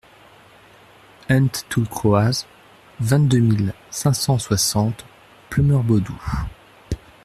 Hent Toull Kroaz, vingt-deux mille cinq cent soixante Pleumeur-Bodou